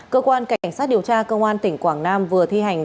cơ quan cảnh sát điều tra công an tỉnh quảng nam vừa thi hành